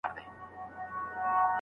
مړ به سم مړى به مي ورك سي ګراني !